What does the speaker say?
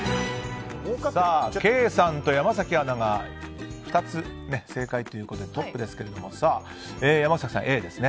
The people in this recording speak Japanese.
ケイさんと山崎アナが２つ正解ということでトップですけれども山崎さんＡですね。